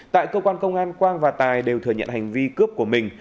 tại cơ quan công an quang và tài đều thừa nhận hành vi cướp của mình